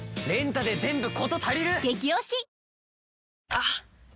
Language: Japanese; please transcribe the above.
あっ！